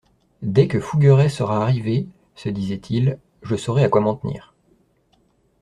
Dès que Fougueray sera arrivé, se disait-il, je saurai à quoi m'en tenir.